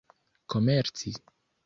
komerci